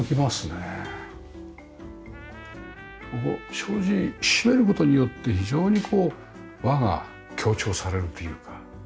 障子閉める事によって非常にこう和が強調されるというか。